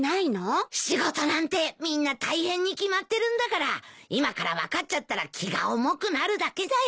仕事なんてみんな大変に決まってるんだから今から分かっちゃったら気が重くなるだけだよ。